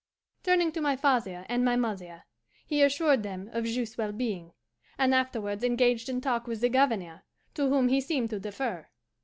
Turning to my father and my mother, he assured them of Juste's well being, and afterwards engaged in talk with the Governor, to whom he seemed to defer.